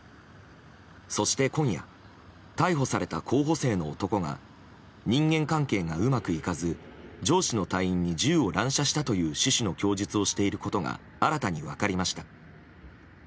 そして今夜逮捕された候補生の男が人間関係がうまくいかず上司の隊員に銃を乱射したという趣旨の供述をしていることが新たに分かりました。